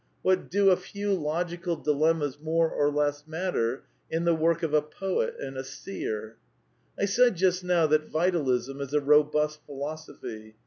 What do a few logical dilemmas more or less ^^,> ^'Tnatter in the work of a poet and a seer ? I said just now that Vitalism is a robust philosophy.